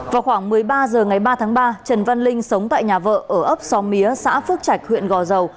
vào khoảng một mươi ba h ngày ba tháng ba trần văn linh sống tại nhà vợ ở ấp xóm mía xã phước trạch huyện gò dầu